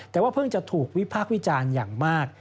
แต่ว่าเพิ่งจะถูกวิพากษ์วิจารณ์อย่างมาก